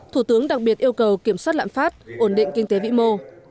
thủ tướng đặc biệt yêu cầu kiểm soát lãm pháp ổn định kinh tế vĩ mô